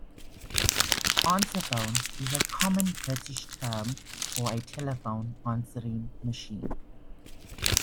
Answerphone is a common British term for a telephone answering machine